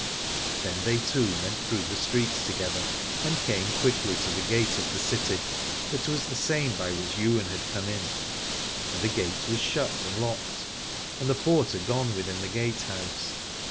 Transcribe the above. Then they two went through the streets together and came quickly to the gate of the city, that was the same by which Ywain had come in : and the gate was shut and locked, and the porter gone within the gate house.